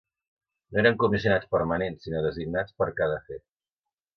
No eren comissionats permanents sinó designats per a cada afer.